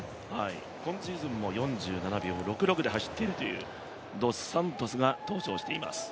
今シーズンも４７秒６６で走っているというドスサントスが登場しています。